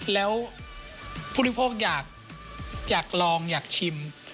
แล้วผู้บริโภคอยากลองอยากชิม